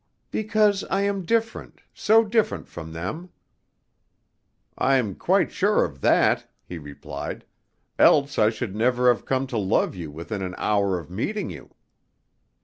"Because I am different so different from them!" "I'm quite sure of that," he replied, "else I should never have come to love you within an hour of meeting you."